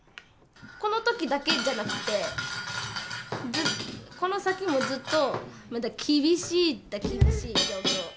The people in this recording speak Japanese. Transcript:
このときだけじゃなくて、この先もずっとまだ厳しいだけ、厳しい状況。